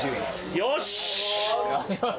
よし！